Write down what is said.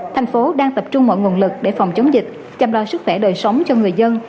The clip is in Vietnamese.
thành phố đang tập trung mọi nguồn lực để phòng chống dịch chăm lo sức khỏe đời sống cho người dân